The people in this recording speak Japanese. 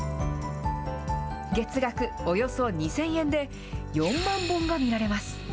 月額およそ２０００円で、４万本が見られます。